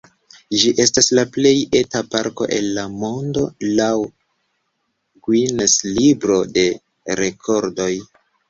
Ĝi estas la plej eta parko el la mondo, laŭ Guinness-libro de rekordoj.